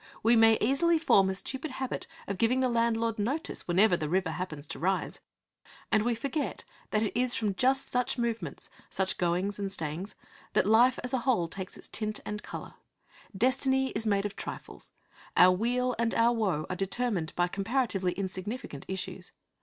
We may easily form a stupid habit of giving the landlord notice whenever the river happens to rise; and we forget that it is from just such movements such goings and such stayings that life as a whole takes its tint and colour. Destiny is made of trifles. Our weal and our woe are determined by comparatively insignificant issues.